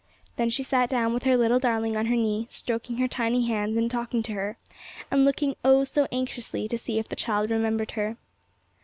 Then she sat down with her little darling on her knee, stroking her tiny hands and talking to her, and looking, oh, so anxiously, to see if the child remembered her.